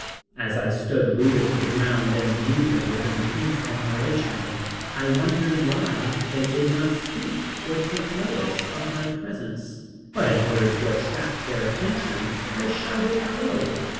As I stood rooted to the ground and viewed them with intense admiration, I wondered why they did not speak or take notice of my presence. But finally in order to attract their attention I shouted, hello.